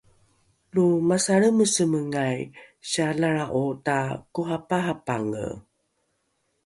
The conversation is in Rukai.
lo masalramesamengai sialalra’o takoraparapange